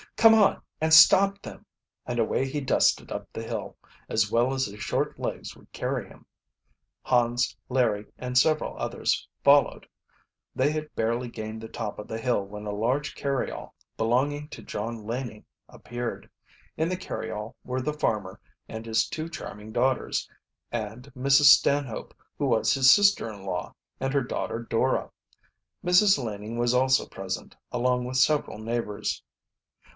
"Come on and stop them!" And away he, dusted up the hill, as well as his short legs would carry him. Hans, Larry, and several others followed. They had barely gained the top of the hill when a large carryall belonging to John Laning appeared. In the carryall were the farmer and his two charming daughters, and, Mrs. Stanhope, who was his sister in law, and her daughter Dora. Mrs. Laning was also present, along with several neighbors.